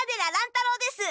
太郎です。